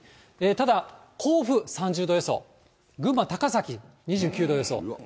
ただ甲府３０度予想、群馬・高崎２９度予想。